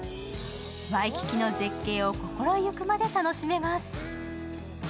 ワイキキの絶景を心ゆくまで楽しめます。